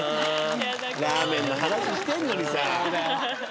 ラーメンの話してんのにさ。